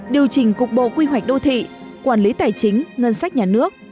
điều chỉnh cục bộ quy hoạch đô thị quản lý tài chính ngân sách nhà nước